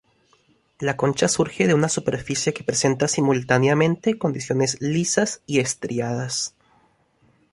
La concha surge de una superficie que presenta simultáneamente condiciones lisas y estriadas.